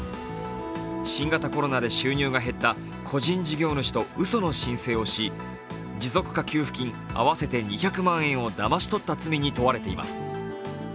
新型コロナで収入が減った個人事業主とうその申請をし、持続化給付合わせて２００万円をだまし取った罪に問われています。